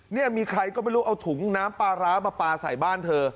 นี่มีใครก็ไม่รู้เอาถุงน้ำปลาร้ามาปลาใส่บ้านเธอ